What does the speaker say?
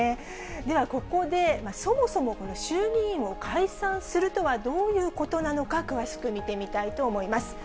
では、ここでそもそも、この衆議院を解散するとはどういうことなのか、詳しく見てみたいと思います。